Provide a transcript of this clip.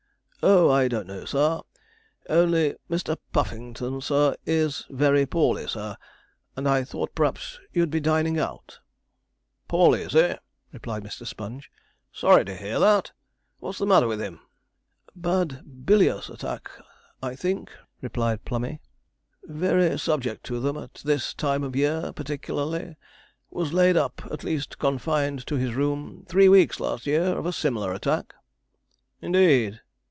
'Oh, I don't know, sir only Mr. Puffington, sir, is very poorly, sir, and I thought p'raps you'd be dining out. 'Poorly is he?' replied Mr. Sponge; 'sorry to hear that what's the matter with him?' 'Bad bilious attack, I think,' replied Plummey 'very subject to them, at this time of year particklarly; was laid up, at least confined to his room, three weeks last year of a similar attack.' 'Indeed!'